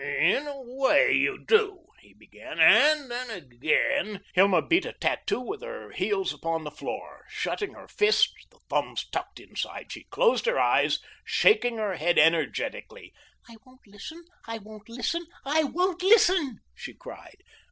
"In a way you do," he began, "and then again " Hilma beat a tattoo with her heels upon the floor, shutting her fists, the thumbs tucked inside. She closed her eyes, shaking her head energetically. "I won't listen, I won't listen, I won't listen," she cried.